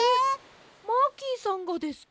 マーキーさんがですか？